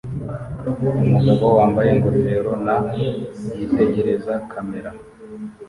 Umugabo wambaye ingofero na yitegereza kamera